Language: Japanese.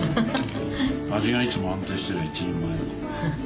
味がいつも安定してりゃ一人前だ。